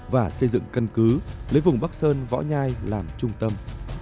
và xây dựng căn cứ lấy vùng bắc sơn võ nhai làm trung tâm